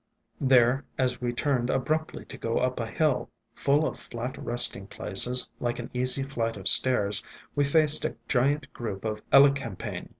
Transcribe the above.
There, as we turned abruptly to go up a hill, full of flat resting places, like an easy flight of stairs, we faced a giant group of Elecampane.